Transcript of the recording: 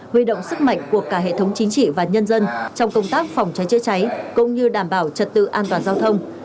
huy động sức mạnh của cả hệ thống chính trị và nhân dân trong công tác phòng cháy chữa cháy cũng như đảm bảo trật tự an toàn giao thông